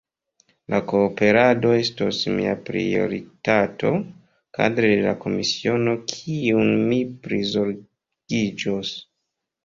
La kooperado estos mia prioritato kadre de la komisiono kiun mi prizorgiĝos.